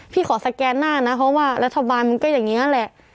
ขอสแกนหน้านะเพราะว่ารัฐบาลมันก็อย่างนี้แหละ